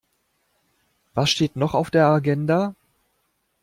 Was steht noch auf der Agenda?